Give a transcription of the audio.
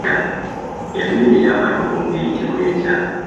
Emmere ey'akatogo eyitibwa etya?